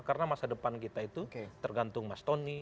jadi ke depan kita itu tergantung mas tony